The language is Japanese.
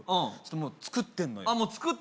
もう作ってんのよあっ